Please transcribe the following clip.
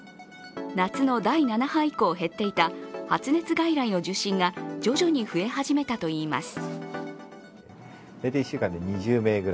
夏の第７波以降減っていた発熱外来の受診が徐々に増え始めたといいます。